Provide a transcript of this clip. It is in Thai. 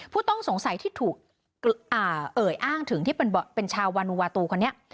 ผู้ต้องสงสัยที่ถูกเอ่ยอ้างถึงที่เป็นชาววานูวาตูคนนี้